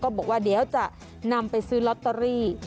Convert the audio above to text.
บอกว่าเดี๋ยวจะนำไปซื้อลอตเตอรี่